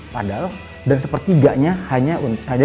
padahal dan sepertiganya hanya